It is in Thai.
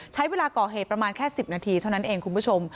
ใช้เวลาก่อเหตุประมาณแค่๑๐นาทีเท่านั้นเองคุณผู้ชม